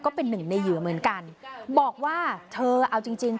ก็เป็นหนึ่งในเหยื่อเหมือนกันบอกว่าเธอเอาจริงจริง